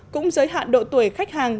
cũng giới hạn độ tuổi khách hàng